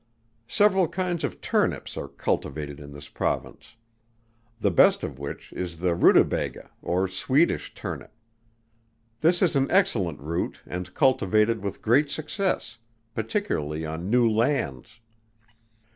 Several kinds of Turnips are cultivated in this Province; the best of which is the ruta baga, or Swedish turnip. This is an excellent root and cultivated with great success, particularly on new lands.